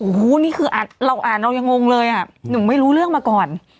โอ้โหนี่คือเราอ่านเรายังงงเลยอ่ะหนึ่งไม่รู้เรื่องมาก่อน